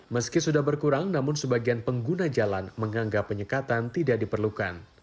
meski sudah berkurang namun sebagian pengguna jalan menganggap penyekatan tidak diperlukan